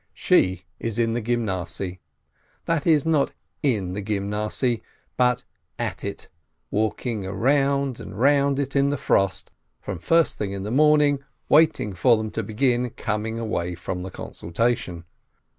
She is in the Gymnasiye, that is, not in the Gymnasiye, but at it, walking round and round it in the frost, from first thing in the morning, waiting for them to begin coming away from the consultation.